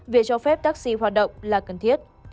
việc cho phép taxi hoạt động là cần thiết